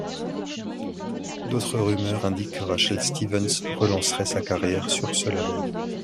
D'autres rumeurs indiquent que Rachel Stevens relancerait sa carrière sur ce label.